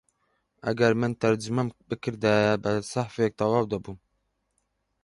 ئەگەر من تەرجەمەم بکردایە بە سەفحەیەک تەواو دەبوو